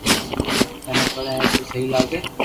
ٿني پڙي ھي تو سھي ھي